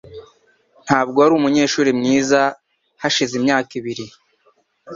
Ntabwo wari umunyeshuri mwiza hashize imyaka ibiri.